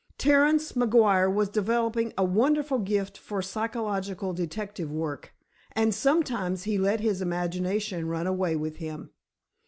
Terence McGuire was developing a wonderful gift for psychological detective work, and sometimes he let his imagination run away with him.